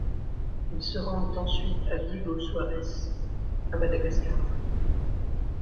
Ils se rendent ensuite à Diego-Suarez, à Madagascar.